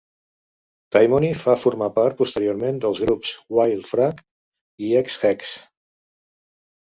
Timony fa formar part posteriorment dels grups Wild Flag i Ex Hex.